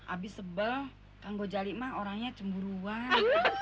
abis sebel kan gozali mah orangnya cemburuan